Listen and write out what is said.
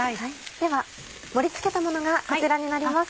では盛り付けたものがこちらになります。